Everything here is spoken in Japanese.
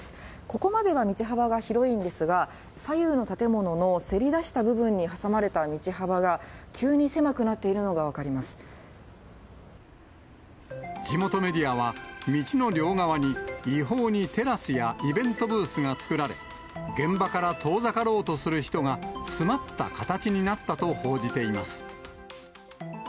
ここまでは道幅が広いんですが、左右の建物のせり出した部分に挟まれた道幅が、急に狭くなってい地元メディアは、道の両側に、違法にテラスやイベントブースが作られ、現場から遠ざかろうとする人が詰まった形になったと報じています。